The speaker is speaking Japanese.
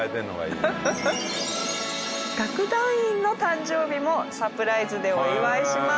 楽団員の誕生日もサプライズでお祝いします。